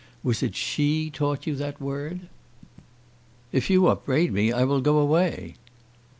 Was it she taught you that word?" "If you upbraid me I will go away."